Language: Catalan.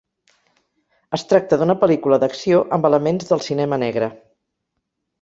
Es tracta d'una pel·lícula d'acció amb elements del cinema negre.